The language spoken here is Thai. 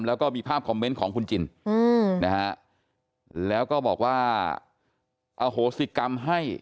แล้วก็มีภาพคอมเมนต์ของคุณจินนะฮะแล้วก็บอกว่าอโหสิกรรมให้